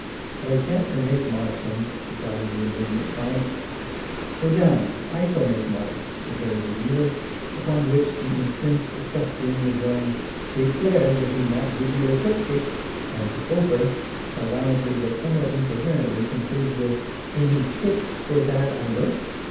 But I can't to make marsh him," re plies the indignant client, " Go down, I shall make marsh," declares the dealer ; upon which the incensed equestrian rejoins " Take care that he not give you a foot kicks," and the " coper " sardonically but somewhat incoherently con Introduction. xiii. eludes with "Then he kicks for that I look?